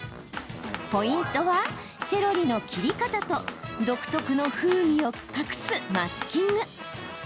ポイントは、セロリの切り方と独特の風味を隠すマスキング。